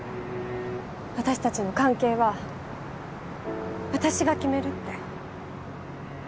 私たちの関係は私が決めるって。